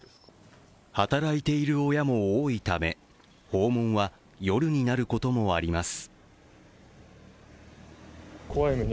働いている親も多いため、訪問は夜になることもあります。